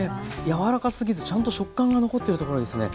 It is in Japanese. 柔らかすぎずちゃんと食感が残ってるところがいいですね。